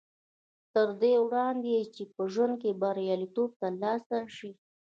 تر دې وړاندې چې په ژوند کې برياليتوب تر لاسه شي.